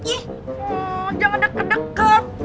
ih jangan deket deket